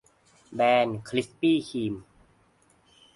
แบนคริสปี้ครีม